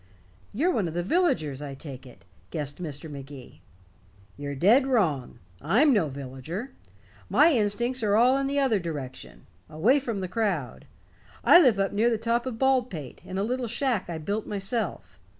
"You're one of the villagers, I take it," guessed Mr. Magee. "You're dead wrong. I'm no villager. My instincts are all in the other direction away from the crowd. I live up near the top of Baldpate, in a little shack I built myself.